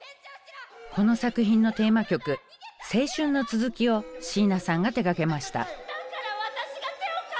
この作品のテーマ曲「青春の続き」を椎名さんが手がけました。